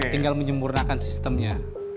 tinggal menyemburnakan sistemnya